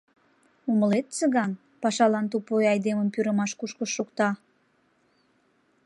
Умылет, Цыган, пашалан тупуй айдемым пӱрымаш кушко шукта?